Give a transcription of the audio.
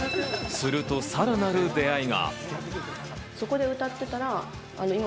すると、さらなる出会いが。